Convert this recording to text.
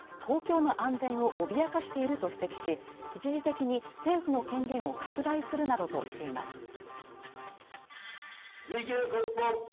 公共の安全を脅かしていると指摘し一時的に政府の権限を拡大するなどとしています